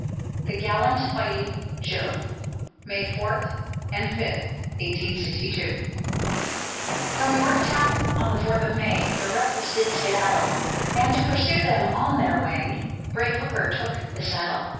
THE GALLANT FIGHTING "JOE" [May 4, 5, 1862] From Yorktown on the fourth of May The rebels did skedaddle, And to pursue them on their way Brave Hooker took the saddle.